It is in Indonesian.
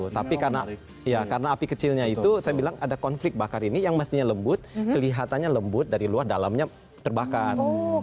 tapi karena api kecilnya itu saya bilang ada konflik bakar ini yang mestinya lembut kelihatannya lembut dari luar dalamnya terbakar